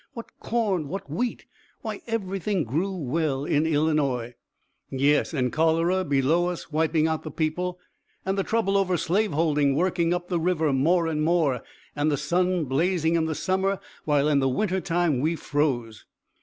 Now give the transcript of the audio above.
What corn, what wheat why, everything grew well in Illinois!" "Yes, and cholera below us wiping out the people, and the trouble over slave holding working up the river more and more, and the sun blazing in the summer, while in the wintertime we froze!"